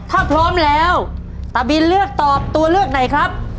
ถ้าพร้อมแล้วตาบินเลือกตอบตัวเลือกไหนครับ